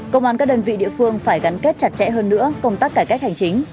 công an các đơn vị địa phương phải gắn kết chặt chẽ hơn nữa công tác cải cách hành chính